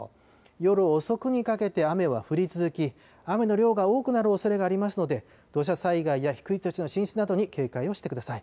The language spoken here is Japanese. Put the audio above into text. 夜遅くにかけて雨は降り続き、雨の量が多くなるおそれがありますので、土砂災害や低い土地の浸水などに警戒をしてください。